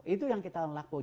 itu yang kita lakukan